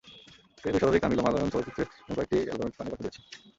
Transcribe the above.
তিনি দুই শতাধিক তামিল ও মালয়ালম চলচ্চিত্রে এবং কয়েকটি অ্যালবামের গানে কণ্ঠ দিয়েছেন।